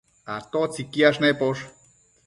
¿atotsi quiash neposh?